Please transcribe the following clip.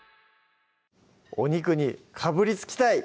お肉にかぶりつきたい！